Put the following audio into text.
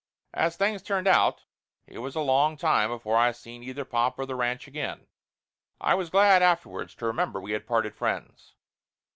As things turned out, it was a long time before I seen either pop or the ranch again. I was glad afterwards to remember we had parted friends.